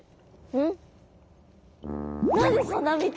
うん？